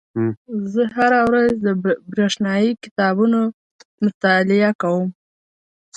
زه هره ورځ د بریښنایي کتابونو مطالعه کوم.